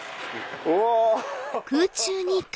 うわ！